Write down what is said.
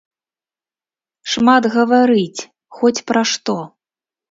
Шмат гаварыць, хоць пра што.